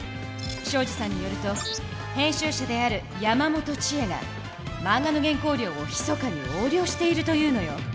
東海林さんによると編集者である山本知恵がマンガの原稿料をひそかに横領しているというのよ。